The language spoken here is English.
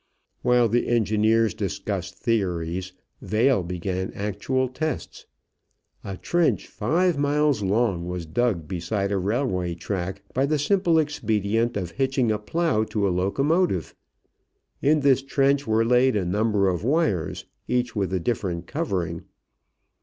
While the engineers discussed theories Vail began actual tests. A trench five miles long was dug beside a railway track by the simple expedient of hitching a plow to a locomotive. In this trench were laid a number of wires, each with a different covering.